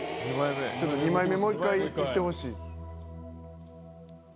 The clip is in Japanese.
ちょっと２枚目もう１回いってほしい。